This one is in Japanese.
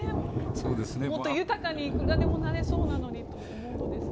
もっと豊かにいくらでもなれそうなのにと思うんですが。